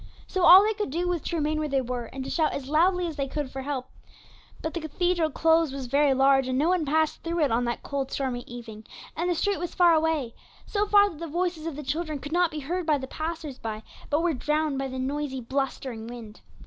So all they could do was to remain where they were, and to shout as loudly as they could for help; but the cathedral close was very large, and no one passed through it on that cold, stormy evening, and the street was far away so far that the voices of the children could not be heard by the passers by, but were drowned by the noisy, blustering wind.